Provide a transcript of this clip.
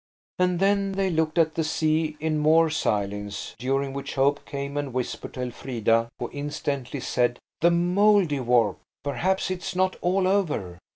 And then they looked at the sea in more silence, during which Hope came and whispered to Elfrida, who instantly said– "The Mouldiwarp! Perhaps it's not all over.